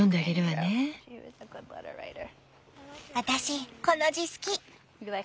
私この字好き。